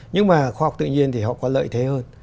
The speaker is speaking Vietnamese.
nhưng mà khoa học tự nhiên thì họ có lợi thế hơn